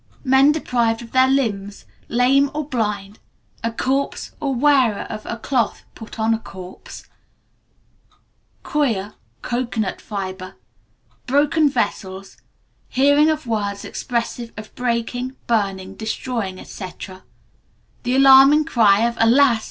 Men deprived of their limbs, lame or blind, a corpse or wearer of a cloth put on a corpse, coir (cocoanut fibre), broken vessels, hearing of words expressive of breaking, burning, destroying, etc.; the alarming cry of alas!